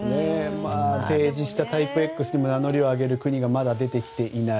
提示したタイプＸにも名乗りを上げる国がまだできていない。